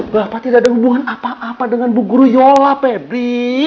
bapak tidak ada hubungan apa apa dengan bu guru yola pebri